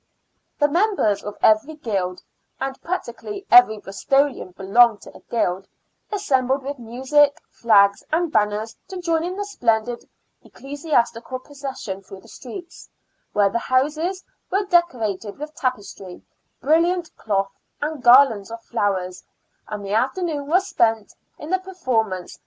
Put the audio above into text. The members of every guild — and practically every Bristolian belonged to a guild — assembled with music, flags and banners to join in a splendid ecclesiastical procession through the streets, where the houses were decorated with tapestry, brilliant cloth, and garlands of flowers, and the afternoon was spent in the performance SIXTEENTH CENTURY BRISTOL.